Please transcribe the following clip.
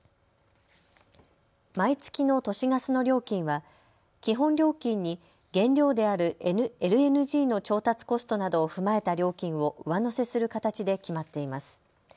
毎月の都市ガスの料金は基本料金に原料であるＬＮＧの調達コストなどを踏まえた料金を上乗せする形で決まっています。